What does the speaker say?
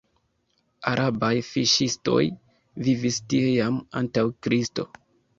Arabaj fiŝistoj vivis tie jam antaŭ Kristo.